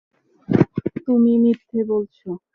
তুমি মিথ্যে বলছো।